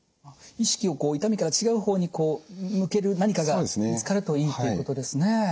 意識をこう痛みから違う方にこう向ける何かが見つかるといいっていうことですね。